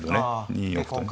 ２四歩とね。